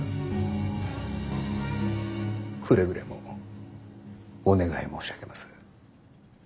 くれぐれもお願い申し上げます。